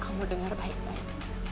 kamu denger baik baik